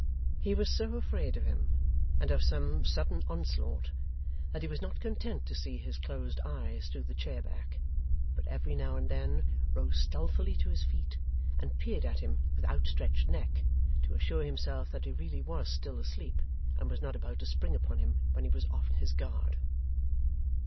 He was so afraid of him, and of some sudden onslaught, that he was not content to see his closed eyes through the chair back, but every now and then, rose stealthily to his feet, and peered at him with outstretched neck, to assure himself that he really was still asleep, and was not about to spring upon him when he was off his guard.